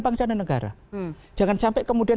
bangsa dan negara jangan sampai kemudian